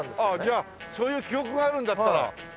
じゃあそういう記憶があるんだったら。